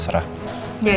setelah kalau labah aja